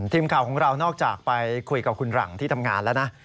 ทีมข่าวของเรานอกจากไปคุยกับคุณหลังที่ทำงานแล้วนะ